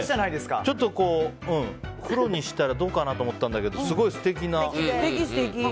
ちょと黒にしたらどうかなと思ったんだけどすごい素敵な。